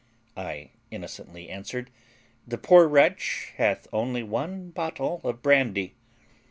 I innocently answered, The poor wretch hath only one bottle of brandy.